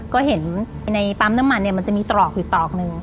ก็เห็นในปั๊มน้ำมันเนี่ยมันจะมีตรอกอยู่ตรอกหนึ่ง